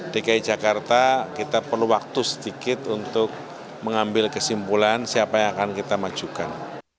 dki jakarta kita perlu waktu sedikit untuk mengambil kesimpulan siapa yang akan kita majukan